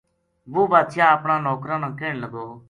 وہ بادشاہ اپنا نوکراں نا کہن لگو